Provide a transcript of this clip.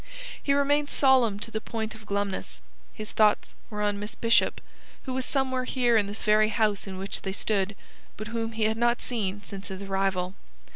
He remained solemn to the point of glumness. His thoughts were on Miss Bishop, who was somewhere here in this very house in which they stood, but whom he had not seen since his arrival.